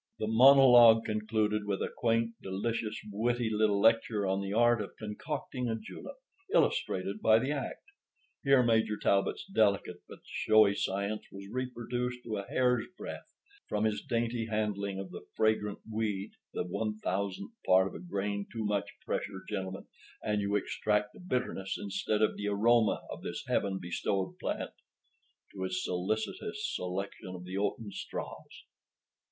The monologue concluded with a quaint, delicious, witty little lecture on the art of concocting a julep, illustrated by the act. Here Major Talbot's delicate but showy science was reproduced to a hair's breadth—from his dainty handling of the fragrant weed—"the one thousandth part of a grain too much pressure, gentlemen, and you extract the bitterness, instead of the aroma, of this heaven bestowed plant"—to his solicitous selection of the oaten straws.